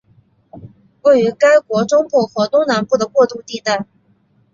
位于该国中部和东南部的过渡地带。